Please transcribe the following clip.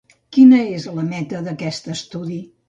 Quina és la meta d'aquest estudi?